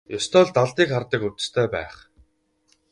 Ёстой л далдыг хардаг увдистай байх.